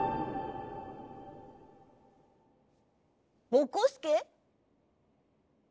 ぼこすけ？